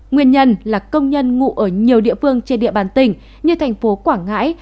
nguyên nhân là công nhân ngụ ở nhiều địa phương trên địa bàn tỉnh như thành phố quảng ngãi